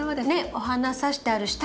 お花さしてある下に。